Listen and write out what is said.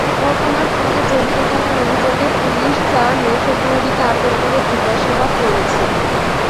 ঘটনার সঙ্গে জড়িত থাকার অভিযোগে পুলিশ চার নৈশপ্রহরীকে আটক করে জিজ্ঞাসাবাদ করছে।